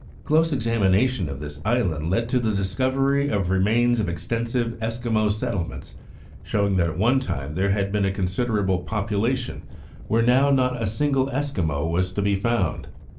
Close examination of this island led to the discovery of remains of extensive Eskimo settlements, showing that at one time there had been a considerable population where now not a single Eskimo was to be found.